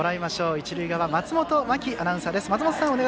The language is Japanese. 一塁側松本真季アナウンサーです。